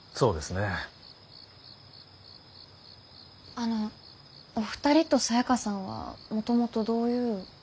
あのお二人とサヤカさんはもともとどういう。